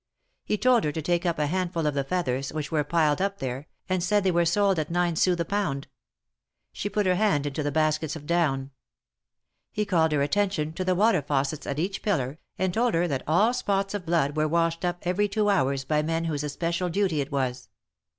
He told her to take up a handful of the feathers, which were piled up there, and said they were sold at nine sous the pound. She put her hand into the baskets of down. He called her attention to the water faucets at each pillar, and told her that all spots of blood were washed up every two hours by men whose especial duty it was.